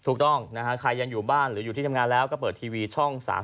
ถูกต้องนะฮะใครยังอยู่บ้านหรืออยู่ที่ทำงานแล้วก็เปิดทีวีช่อง๓๒